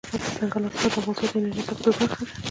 دځنګل حاصلات د افغانستان د انرژۍ سکتور برخه ده.